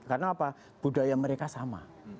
karena apa budaya mereka sama